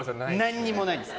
何もないんです。